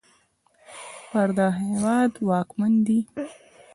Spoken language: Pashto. پر دغه هېواد واکمن دی